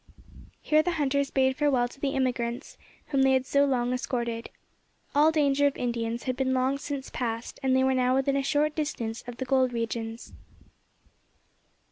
Here the hunters bade farewell to the emigrants, whom they had so long escorted. All danger of Indians had been long since passed, and they were now within a short distance of the gold regions.